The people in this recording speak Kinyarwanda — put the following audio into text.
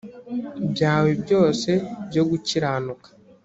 byawe byose byo gukiranuka